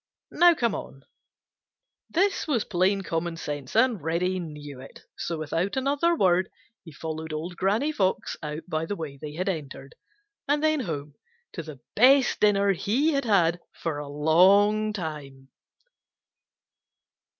Now come on." This was plain common sense, and Reddy knew it, so without another word he followed old Granny Fox out by the way they had entered, and then home to the best dinner he had had for a long long time.